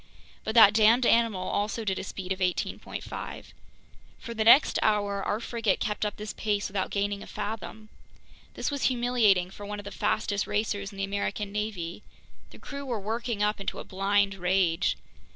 But that damned animal also did a speed of 18.5. For the next hour our frigate kept up this pace without gaining a fathom! This was humiliating for one of the fastest racers in the American navy. The crew were working up into a blind rage.